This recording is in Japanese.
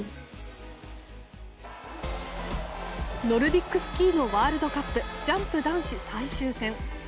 ノルディックスキーのワールドカップジャンプ男子最終戦。